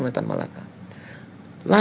oleh petan malaka